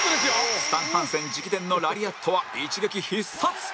スタン・ハンセン直伝のラリアットは一撃必殺